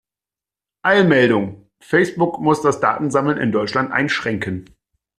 Eilmeldung! Facebook muss das Datensammeln in Deutschland einschränken.